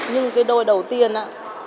nhưng cái đôi đầu tiên ạ